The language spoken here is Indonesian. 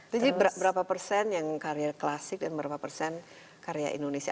jadi berapa persen yang karya klasik dan berapa persen karya indonesia